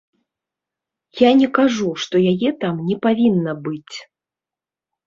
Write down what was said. Я не кажу, што яе там не павінна быць.